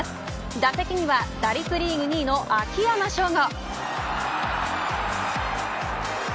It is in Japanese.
打席には打率リーグ２位の秋山翔吾。